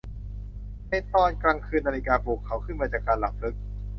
ในตอนกลางคืนนาฬิกาปลุกเขาขึ้นมาจากการหลับลึก